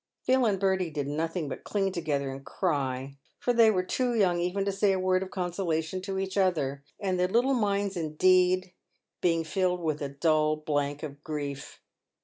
Phil and Bertie did nothing but cling together and cry, for they were too young even to say a word of consolation to each other ; their little minds indeed being filled with a dull blank of grief.